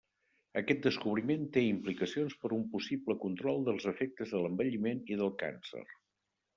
Aquest descobriment té implicacions per un possible control dels efectes de l'envelliment i del càncer.